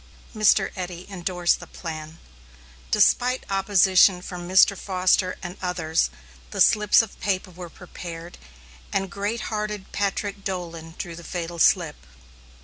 Mr. Eddy endorsed the plan. Despite opposition from Mr. Foster and others, the slips of paper were prepared, and great hearted Patrick Dolan drew the fatal slip.